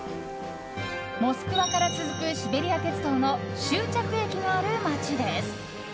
モスクワから続くシベリア鉄道の終着駅がある街です。